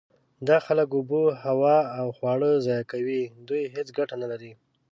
دا خلک اوبه، هوا او خواړه ضایع کوي. دوی هیڅ ګټه نلري.